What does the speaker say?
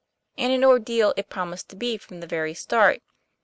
And an ordeal it promised to be from the very start.